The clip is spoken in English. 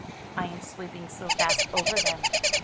"I am sweeping so fast over them."